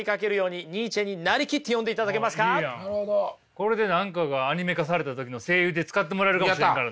これで何かがアニメ化された時の声優で使ってもらえるかもしれんからな。